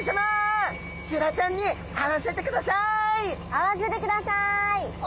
会わせてください。